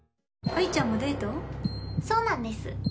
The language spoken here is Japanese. そうなんです。